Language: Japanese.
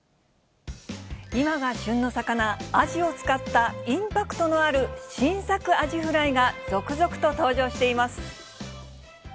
今が旬の魚、アジを使った、インパクトのある新作アジフライが続々と登場しています。